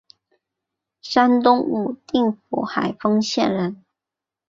山东武定府海丰县人。